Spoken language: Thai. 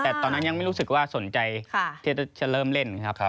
แต่ตอนนั้นยังไม่รู้สึกว่าสนใจที่จะเริ่มเล่นครับ